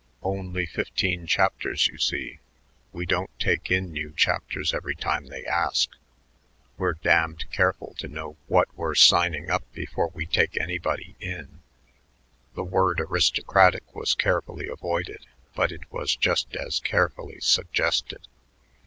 "Only fifteen chapters, you see. We don't take in new chapters every time they ask. We're darned careful to know what we're signing up before we take anybody in." The word "aristocratic" was carefully avoided, but it was just as carefully suggested.